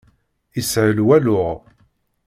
Ishel walluy.